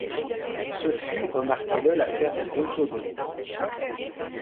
Ce fut, remarquez-le, l’affaire de deux secondes.